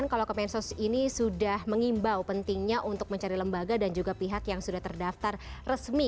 kalau kemensos ini sudah mengimbau pentingnya untuk mencari lembaga dan juga pihak yang sudah terdaftar resmi